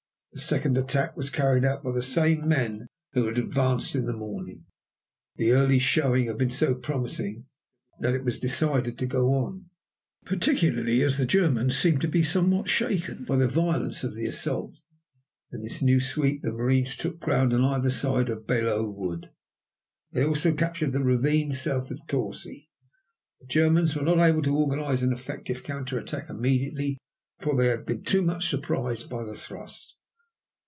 The second attack was carried out by the same men who had advanced in the morning. The early showing had been so promising that it was decided to go on, particularly as the Germans seemed to be somewhat shaken by the violence of the assault. In this new sweep the marines took ground on either side of Belleau Wood. They also captured the ravine south of Torcy. The Germans were not able to organize an effective counter attack immediately, for they had been too much surprised by the thrust.